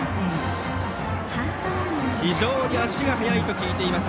非常に足が速いと聞いています